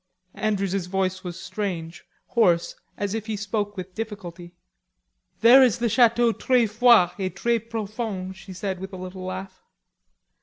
Andrews's voice was strange, hoarse, as if he spoke with difficulty. "There is the chateau tres froid et tres profond," she said with a little laugh.